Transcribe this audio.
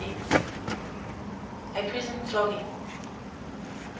A PRISON FLOGGING.